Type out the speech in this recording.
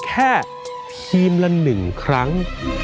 แค่ทีมละ๑ครั้ง